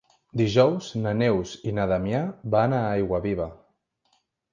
Dijous na Neus i na Damià van a Aiguaviva.